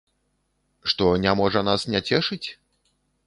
Што не можа нас не цешыць?